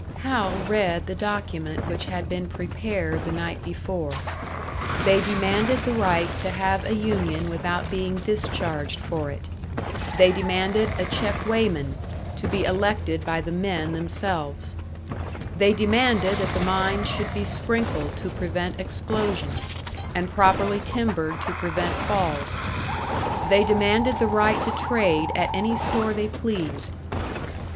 Hal read the document which had been prepared the night before. They demanded the right to have a union without being discharged for it. They demanded a check weighman, to be elected by the men themselves. They demanded that the mines should be sprinkled to prevent explosions, and properly timbered to prevent falls. They demanded the right to trade at any store they pleased.